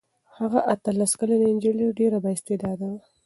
هغه اتلس کلنه نجلۍ ډېره بااستعداده وه.